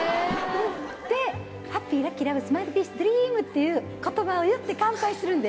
でハッピーラッキーラブスマイルピースドリームっていう言葉を言って乾杯するんです。